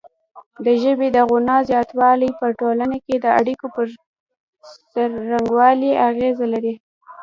د ژبې د غنا زیاتوالی په ټولنه کې د اړیکو پر څرنګوالي اغیزه لري.